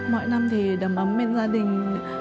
mỗi năm thì đầm ấm bên gia đình